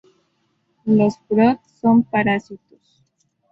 Los Brood son parásitos.